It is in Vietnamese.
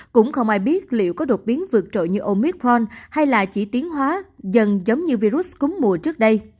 cũng không ai biết liệu có đột biến vượt trội như omithron hay là chỉ tiến hóa dần giống như virus cúm mùa trước đây